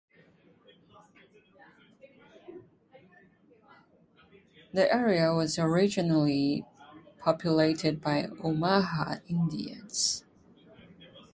The area was originally populated by Omaha Indians.